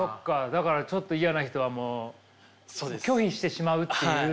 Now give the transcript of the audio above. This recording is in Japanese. だからちょっと嫌な人はもう拒否してしまうっていう。